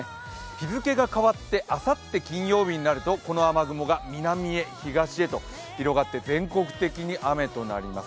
日付が変わってあさって金曜日になるとこの雨雲が東に広がって、全国的に雨となります。